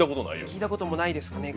聞いたこともないですかね。